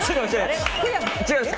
違います。